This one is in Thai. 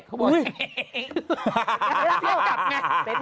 เขาบอกว่าเสียกลับไง